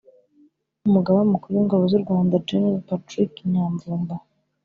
Umugaba Mukuru w’Ingabo z’u Rwanda Gen Patrick Nyamvumba